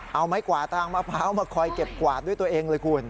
เอาไม้กวาดทางมะพร้าวมาคอยเก็บกวาดด้วยตัวเองเลยคุณ